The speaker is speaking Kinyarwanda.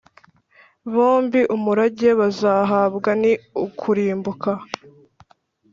bombi umurage bazahabwa ni ukurimbuka.